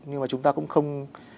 nhưng mà chúng ta cũng không